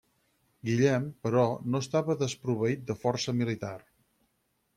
Guillem, però, no estava desproveït de força militar.